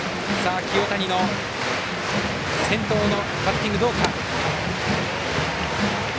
清谷の先頭のバッティングはどうか。